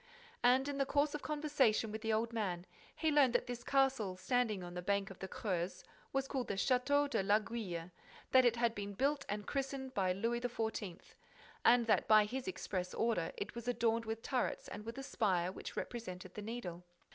And, in the course of conversation with the old man, he learnt that this castle, standing on the bank of the Creuse, was called the Château de l'Aiguille, that it had been built and christened by Louis XIV., and that, by his express order, it was adorned with turrets and with a spire which represented the Needle.